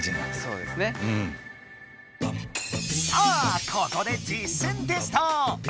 さあここで実践テスト！